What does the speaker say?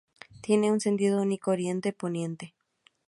Tiene un sentido único oriente-poniente.